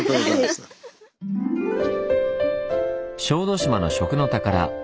小豆島の「食の宝」